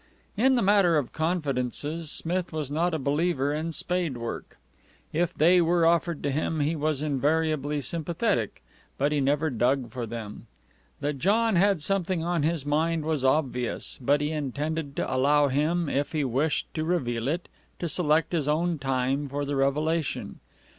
In the matter of confidences, Smith was not a believer in spade work. If they were offered to him, he was invariably sympathetic, but he never dug for them. That John had something on his mind was obvious, but he intended to allow him, if he wished to reveal it, to select his own time for the revelation.